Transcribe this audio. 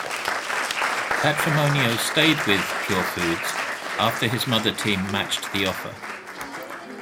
Patrimonio stayed with Purefoods after his mother team matched the offer.